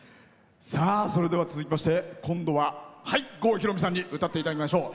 それでは続きまして今度は郷ひろみさんに歌っていただきましょう。